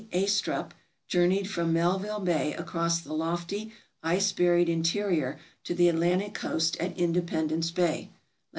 Astrup, journeyed from Melville Bay across the lofty, ice buried interior to the Atlantic coast at Independence Bay (lat.